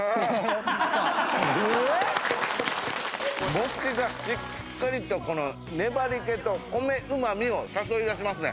餅がしっかりとこの粘り気と米うま味を誘い出しますね。